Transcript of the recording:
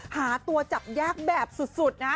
หาตัวจับแยกแบบสุด